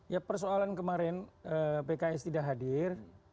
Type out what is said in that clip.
ya persoalan kemarin pks tidak hadir